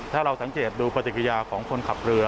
ถ้าเราสังเกตดูปฏิกิริยาของคนขับเรือ